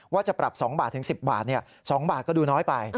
ว่าจะปรับ๒๑๐บาท๒บาทก็ดูน้อยไป